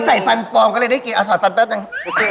ใส่ฟันปลอมก็เลยได้กินถอดฟันแป๊บนึง